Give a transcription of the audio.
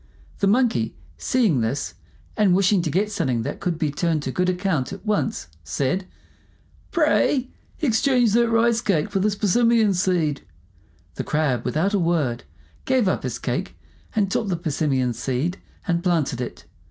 The Monkey, seeing this, and wishing to get something that could be turned to good account at once, said, "Pray, exchange that rice cake for this persimmon seed." The Crab, without a word, gave up his cake, and took the persimmon seed and planted it.